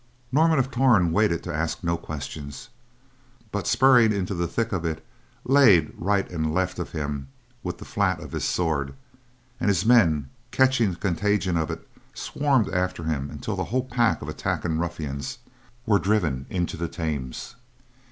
Norman of Torn waited to ask no questions, but spurring into the thick of it laid right and left of him with the flat of his sword, and his men, catching the contagion of it, swarmed after him until the whole pack of attacking ruffians were driven into the Thames.